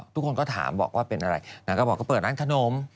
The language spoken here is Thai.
ทุกคนก็ถามบอกว่าเป็นอะไรนางก็บอกก็เปิดร้านขนม